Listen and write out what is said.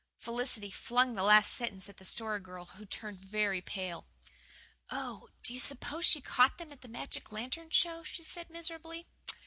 Felicity flung the last sentence at the Story Girl, who turned very pale. "Oh, do you suppose she caught them at the magic lantern show?" she said miserably.